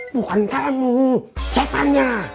bukan kamu setannya